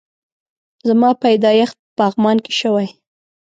زما پيدايښت په پغمان کی شوي